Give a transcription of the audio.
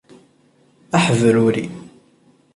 Aḥebruri.